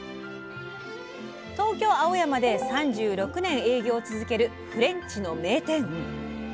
東京青山で３６年営業を続けるフレンチの名店。